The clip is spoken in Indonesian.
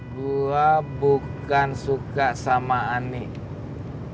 gue bukan suka sama ani tapi cinta